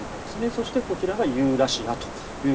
そしてこちらがユーラシアという。